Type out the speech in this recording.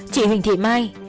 chị huỳnh thị mai